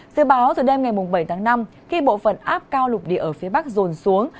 dự báo từ đêm ngày bảy tháng năm khi bộ phận áp cao lục địa ở phía bắc rồn xuống